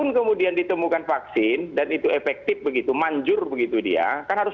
pun kemudian ditemukan vaksin dan itu efektif begitu manjur begitu dia kan harus